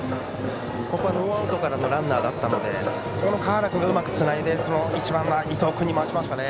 ここはノーアウトからのランナーだったので川原君がうまくつないで１番の伊藤君に回しましたね。